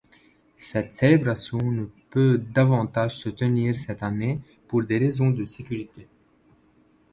Cette célébration ne peut davantage se tenir cette année pour des raisons de sécurité.